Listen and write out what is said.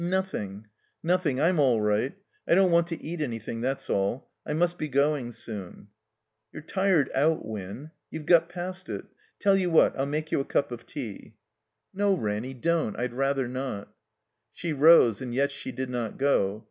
"Nothing — ^nothing, I'm all right. I don't want to eat anjrthing, that's all. I must be going soon." "You're tired out. Win. You've got past it. Tell yovL what, I'll make you a cup of tea." ^2>^ THE COMBINED MAZE "No, Ranny, don't. I'd rather not." She rose, and yet she did not go.